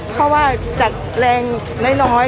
เพราะว่าจากแรงน้อยน้อย